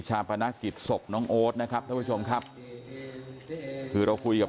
ชาปนาฆิตสภน้องโอ้ตนะครับทุกผู้ชมครับคือเราคุยกับ